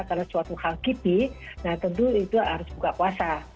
karena suatu hal kipik tentu itu harus buka puasa